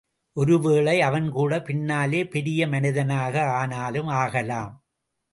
ஒரு வேளை அவன்கூட பின்னாலே பெரிய மனிதனாக ஆனாலும் ஆகலாம்.